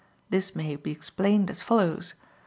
This may be explained as follows.